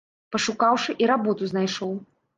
Пашукаўшы, і работу знайшоў.